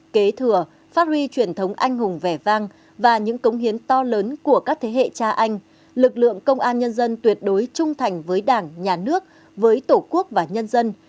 kế thừa phát huy truyền thống anh hùng vẻ vang và những cống hiến to lớn của các thế hệ cha anh lực lượng công an nhân dân tuyệt đối trung thành với đảng nhà nước với tổ quốc và nhân dân